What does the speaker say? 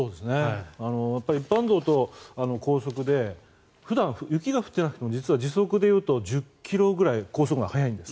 やっぱり一般道と高速で普段、雪が降っていなくても実は時速でいうと１０ｋｍぐらい高速のほうが速いんです。